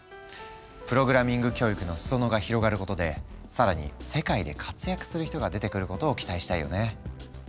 プログラミング教育の裾野が広がることで更に世界で活躍する人が出てくることを期待したいよね。